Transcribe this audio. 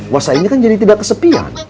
wah sainnya kan jadi tidak kesepian